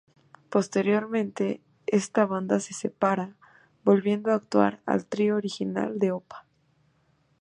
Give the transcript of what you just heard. Posteriormente esta banda se separa, volviendo a actuar el trío original de Opa.